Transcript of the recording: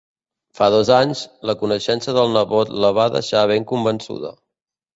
Fa dos anys, la coneixença del nebot la va deixar ben convençuda.